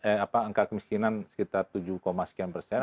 eh apa angka kemiskinan sekitar tujuh sekian persen